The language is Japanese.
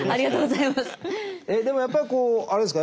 でもやっぱりこうあれですか？